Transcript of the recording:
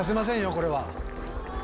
これは。